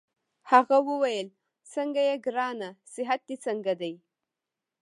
هغه وویل: څنګه يې ګرانه؟ صحت دي څنګه دی؟